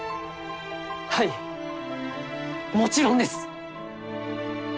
はいもちろんです！